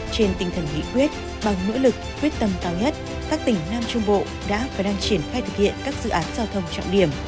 trên tinh thần nghị quyết bằng nỗ lực quyết tâm cao nhất các tỉnh nam trung bộ đã và đang triển khai thực hiện các dự án giao thông trọng điểm